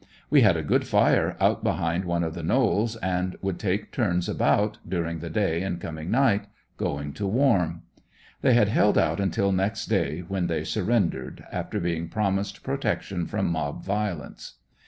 We had a good fire out behind one of the knolls and would take turns about, during the day and coming night, going to warm. They held out until next day, when they surrendered, after being promised protection from mob violence.